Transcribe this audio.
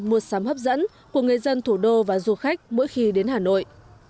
mua sắm hấp dẫn của người dân thủ đô và du khách mỗi khi đến hà nội